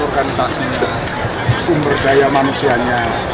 organisasi sumber daya manusianya